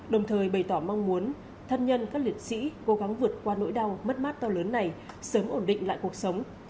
đồng thời bày tỏ mong muốn thân nhân các liệt sĩ cố gắng vượt qua nỗi đau mất mát to lớn này sớm ổn định lại cuộc sống